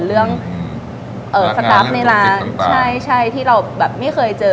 เรื่องสตาร์ฟในร้านใช่ที่เราแบบไม่เคยเจอ